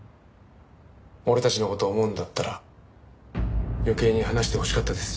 俺たちの事を思うんだったら余計に話してほしかったです。